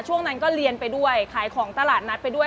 ช่วงนั้นก็เรียนไปด้วยขายของตลาดนัดไปด้วย